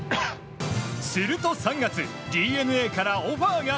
すると３月ＤｅＮＡからオファーが。